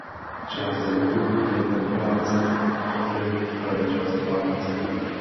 Část „Zenitu“ pronikla do paláce oknem v pravé části paláce.